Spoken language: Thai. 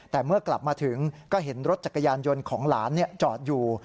แต่เมื่อกลับมาถึงก็เห็นรถจักรยานยนต์ของหลานจอดอยู่